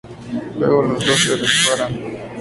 Luego, los dos se separan.